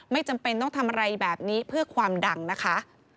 จำเป็นต้องทำอะไรแบบนี้เพื่อความดังนะคะ